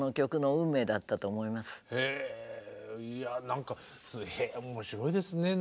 へぇいや何か面白いですね。